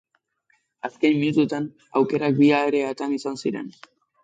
Azken minutuetan aukerak bi areatan izan ziren.